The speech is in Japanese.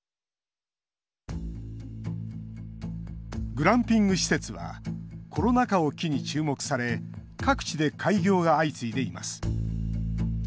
グランピング施設はコロナ禍を機に注目され各地で開業が相次いでいます。